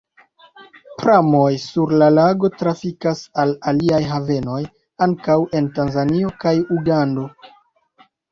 Pramoj sur la lago trafikas al aliaj havenoj, ankaŭ en Tanzanio kaj Ugando.